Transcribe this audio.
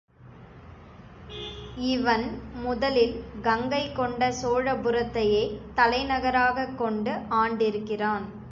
இவன் முதலில் கங்கை கொண்ட சோழபுரத்தையே தலை நகராகக் கொண்டு ஆண்டிருக்கிறான்.